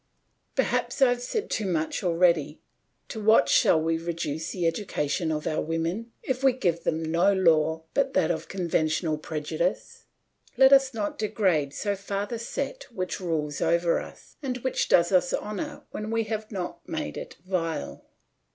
Perhaps I have said too much already. To what shall we reduce the education of our women if we give them no law but that of conventional prejudice? Let us not degrade so far the set which rules over us, and which does us honour when we have not made it vile.